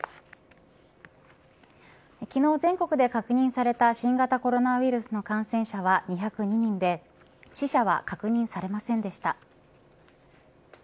昨日、全国で確認された新型コロナウイルスの感染者は２０２人で死者は確認されませんでした。